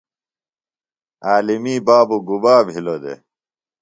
عالمی بابوۡ گُبا بِھلو دےۡ؟